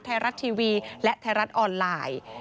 ไทยรัฐทีวีและไทยรัฐออนไลน์